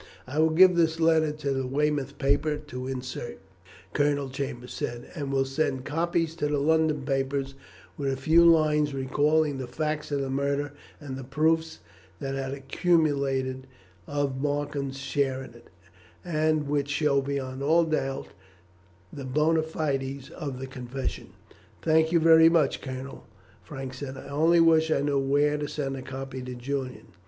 "I will give this letter to the Weymouth paper to insert," Colonel Chambers said, "and will send copies to the London papers, with a few lines recalling the facts of the murder and the proofs that had accumulated of Markham's share in it, and which show beyond all doubt the bona fides of the confession." "Thank you very much, Colonel," Frank said. "I only wish I knew where to send a copy to Julian."